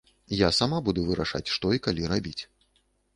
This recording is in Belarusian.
Я сама буду вырашаць, што і калі рабіць.